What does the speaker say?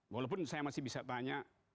walaupun saya masih bisa tanya